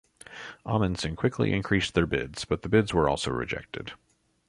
Ahmanson quickly increased their bids but the bids were also rejected.